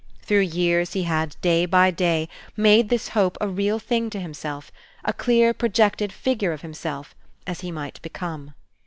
Through years he had day by day made this hope a real thing to himself, a clear, projected figure of himself, as he might become.